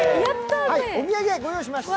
お土産を御用意しました。